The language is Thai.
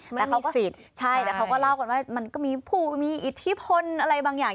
แต่เขาก็ผิดใช่แต่เขาก็เล่ากันว่ามันก็มีผู้มีอิทธิพลอะไรบางอย่าง